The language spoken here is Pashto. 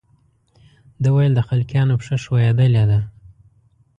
ده ویل د خلقیانو پښه ښویېدلې ده.